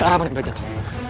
ke arah mana bella jatuh